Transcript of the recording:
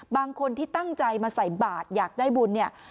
บางคนที่ตั้งใจมาใส่บาทอยากได้บุญเนี่ย